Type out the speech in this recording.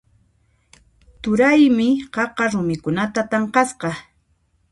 Turaymi qaqa rumikunata tanqasqa.